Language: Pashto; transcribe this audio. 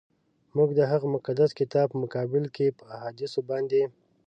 موږ د هغه مقدس کتاب په مقابل کي په احادیثو باندي.